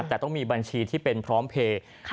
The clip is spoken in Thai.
แต่ต้องมีบัญชีที่เป็นพร้อมเพลย์